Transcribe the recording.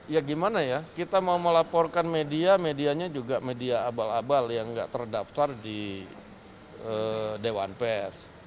ya gimana ya kita mau melaporkan media medianya juga media abal abal yang nggak terdaftar di dewan pers